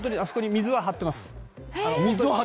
水は張ってます。